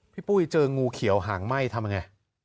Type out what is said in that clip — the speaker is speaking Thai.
ปุ้ยเจองูเขียวหางไหม้ทำยังไง